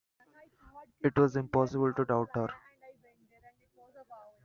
It was impossible to doubt her.